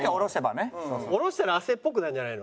下ろしたら亜生っぽくなるんじゃないの？